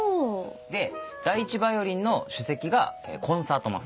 で第１ヴァイオリンの首席がコンサートマスター。